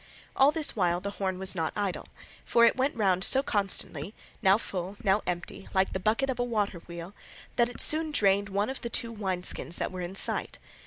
All this while the horn was not idle, for it went round so constantly, now full, now empty, like the bucket of a water wheel, that it soon drained one of the two wine skins that were in sight.